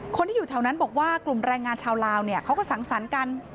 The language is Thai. คนที่อยู่แถวนั้นบอกว่ากลุ่มแรงงานชาวลาวเนี่ยเขาก็สังสรรค์กัน